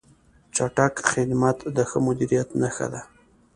چټک خدمت د ښه مدیریت نښه ده.